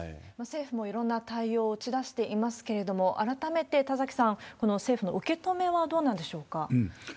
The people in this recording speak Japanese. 政府もいろんな対応を打ち出していますけれども、改めて、田崎さん、この政府の受け止めはどうなんでしょうか？